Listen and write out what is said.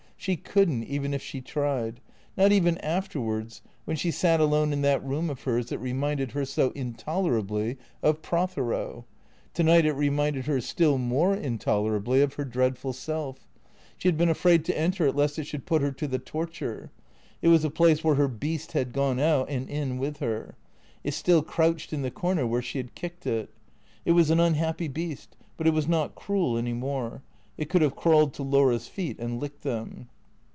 She could n't, even if she tried ; not even afterwards, when she sat alone in that room of hers that reminded her so intol erably of Prothero. To night it reminded her still more in tolerably of her dreadful self. She had been afraid to enter it lest it should put her to the torture. It was the place where her beast had gone out and in with her. It still crouched in the corner where she had kicked it. It was an unhappy beast, but it was not cruel any more. It could have crawled to Laura's feet and licked them.